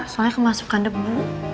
soalnya kemasukan debu